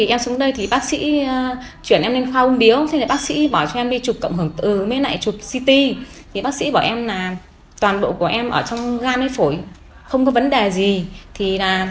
em xuống đây bác sĩ chuyển em lên khoa ung biếu bác sĩ bỏ cho em đi chụp cộng hưởng từ chụp ct bác sĩ bỏ em là toàn bộ của em ở trong gan với phổi không có vấn đề gì